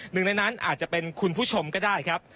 หนึ่งในนั้นอาจจะเป็นคุณผู้ชมก็ได้ครับ